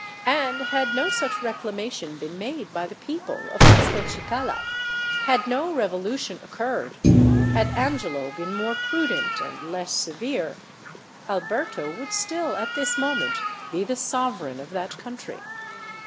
And had no such reclamation been made by the people of Castelcicala—had no revolution occurred—had Angelo been more prudent, and less severe—Alberto would still at this moment be the sovereign of that country.